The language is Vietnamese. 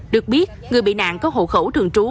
được biết người bị nạn có hộ khẩu thường trú